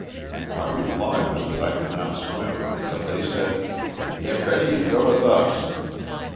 My reply was that I could not swim, but they said, ''get ready and go with us."